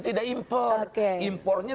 tidak impor impornya